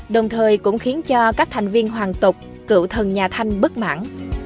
đồng thời cũng khiến cho các thành viên hoàng tục cựu thần nhà thanh bất mãn